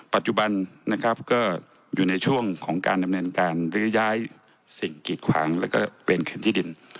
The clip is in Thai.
ปัจจุบันนะครับก็อยู่ในช่วงของการดำเนินการลื้อย้ายสิ่งกีดขวางแล้วก็เวรคืนที่ดิน